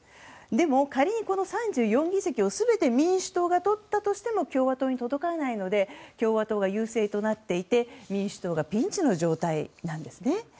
でも、仮にこの３４議席を全て民主党が取ったとしても共和党に届かないので共和党が優勢となっていて民主党がピンチの状態なんですね。